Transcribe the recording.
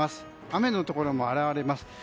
雨のところも現れます。